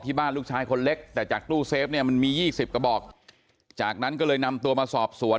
บ้านลูกชายคนเล็กแต่จากตู้เซฟเนี่ยมันมียี่สิบกระบอกจากนั้นก็เลยนำตัวมาสอบสวน